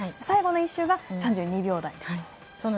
最後の１周が３２秒台。